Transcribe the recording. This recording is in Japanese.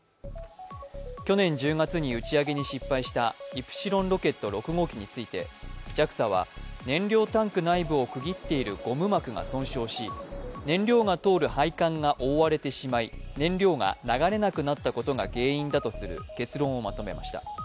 去年１０月に打ち上げに失敗したイプシロンロケット６号機についてＪＡＸＡは燃料タンク内部を区切っているゴム膜が損傷し燃料が通る配管が覆われてしまい燃料が流れなくなったことが原因だとする結論をまとめました。